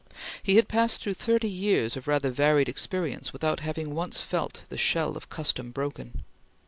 He had passed through thirty years of rather varied experience without having once felt the shell of custom broken.